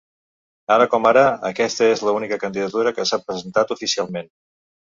Ara com ara, aquesta és l’única candidatura que s’ha presentat oficialment.